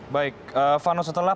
baik vanus setelah